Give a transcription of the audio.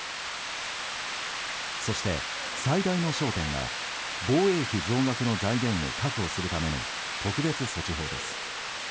そして、最大の焦点が防衛費増額の財源を確保するための特別措置法です。